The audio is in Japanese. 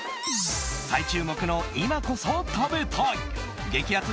再注目の今こそ食べたい激アツ